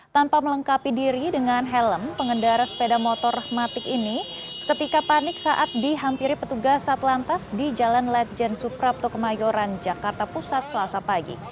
tanpa melengkapi diri dengan helm pengendara sepeda motor matik ini seketika panik saat dihampiri petugas satlantas di jalan ledjen suprapto kemayoran jakarta pusat selasa pagi